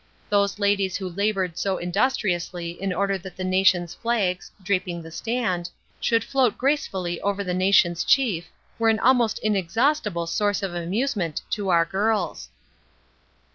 Those ladies who labored so industriously in order that the nation's flags, draping the stand, should float gracefully over the nation's chief, were an almost inexhaustible source of amusement to our girls.